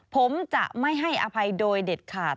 ผมจะไม่ให้อภัยโดยเด็ดขาด